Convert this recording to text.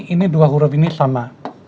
ini dua huruf ini sama